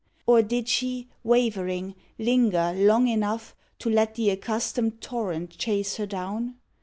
Or did she, wavering, linger long enough To let the accustomed torrent chase her down?